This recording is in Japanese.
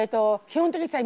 基本的にさ